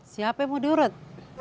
siapa yang mau diurut